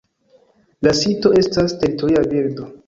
La sito estas teritoria birdo.